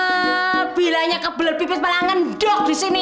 eeehh bilanya kebelet pipis malah ngendok disini